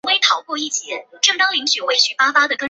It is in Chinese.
律令制下将之分为从七位上和从七位下。